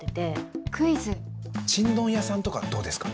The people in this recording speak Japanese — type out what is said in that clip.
ちんどん屋さんとかどうですか？